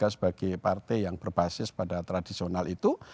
sebagai partai yang berbasis pada tradisional itu